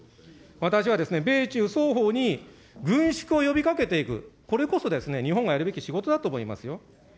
私は米中双方に軍縮を呼びかけていく、これこそですね、日本がやるべき仕事だと思いますよ。